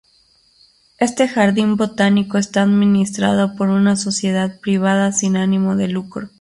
Este jardín botánico está administrado por una sociedad privada sin ánimo de lucro.